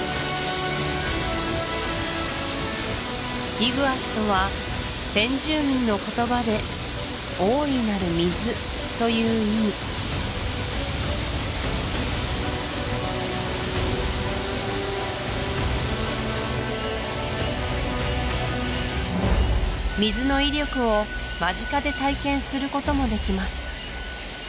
イグアスとは先住民の言葉で「大いなる水」という意味水の威力を間近で体験することもできます